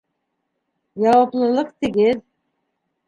Яуаплылыҡ тигеҙ